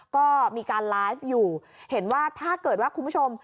ก็มีการไลฟ์อยู่เห็นว่าถ้าเกิดว่าคุณผู้ชม